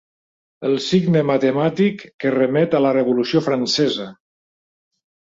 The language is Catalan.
El signe matemàtic que remet a la Revolució Francesa.